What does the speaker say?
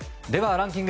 ランキング